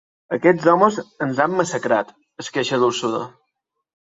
Aquests homes ens han massacrat –es queixa l'Úrsula.